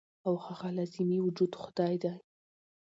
او هغه لازمي وجود خدائے دے -